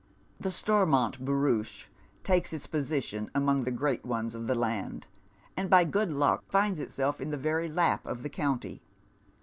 The Stormont barouche takes its position among the great ones of the land, and by good luck finds itself in the very lap of the county.